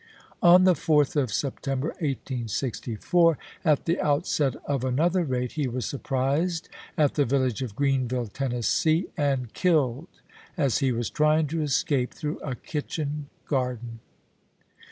On the 4th of September, 1864, at the outset of another raid, he was surprised at the village of Greenville, Tennessee, and killed as he was trying to escape through a kitchen garden.